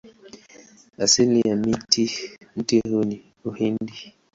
Asili ya mti huu ni Uhindi.